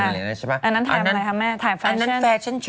อันนั้นถ่ายมาอะไรครับแม่ถ่ายแฟชั่น